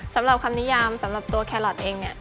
สำหรับคำนิยามสำหรับตัวแครอทเองเนี่ย